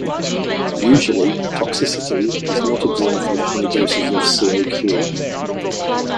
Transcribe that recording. Usually, toxicity is not observed with high doses of CoQ.